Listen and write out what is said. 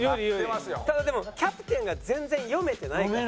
ただでもキャプテンが全然読めてないから。